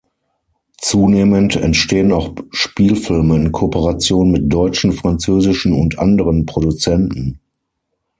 Zunehmend entstehen auch Spielfilme in Kooperation mit deutschen, französischen und anderen Produzenten.